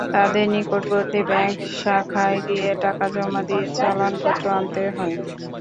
তাঁদের নিকটবর্তী ব্যাংক শাখায় গিয়ে টাকা জমা দিয়ে চালানপত্র আনতে হয়।